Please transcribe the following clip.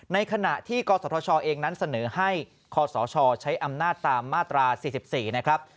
ในขณะที่กศธชเองนั้นเสนอให้คศใช้อำนาจตามมาตรา๔๔นะครับ